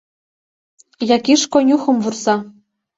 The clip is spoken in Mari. Якиш конюхым вурса: